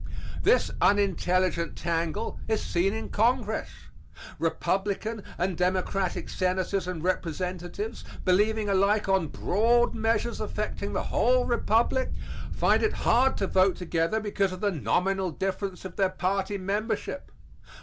This unintelligent tangle is seen in Congress. Republican and Democratic Senators and Representatives, believing alike on broad measures affecting the whole Republic, find it hard to vote together because of the nominal difference of their party membership.